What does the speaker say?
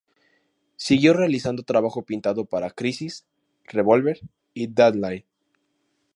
Siguió realizando trabajo pintado para "Crisis", "Revolver" y "Deadline".